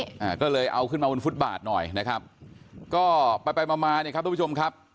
อ่าก็เลยเอาขึ้นมาบนฟุตบาทหน่อยนะครับก็ไปไปมามาเนี่ยครับทุกผู้ชมครับ